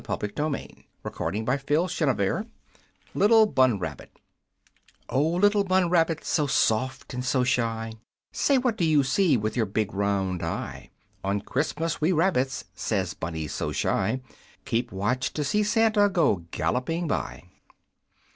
[Illustration: Little Bun Rabbit] Little Bun Rabbit "Oh, Little Bun Rabbit, so soft and so shy, Say, what do you see with your big, round eye?" "On Christmas we rabbits," says Bunny so shy, "Keep watch to see Santa go galloping by."